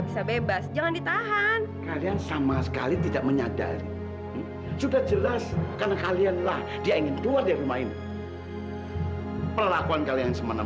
mama juga harus melanjutkan kehidupan mama sendiri